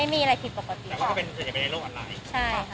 ก็จะเป็นในโลกออนไลน์